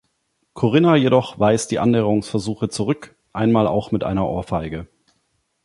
Corinna jedoch weist die Annäherungsversuche zurück, einmal auch mit einer Ohrfeige.